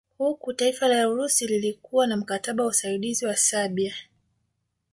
Huku taifa la Urusi lilikuwa na mkataba wa usaidizi na Serbia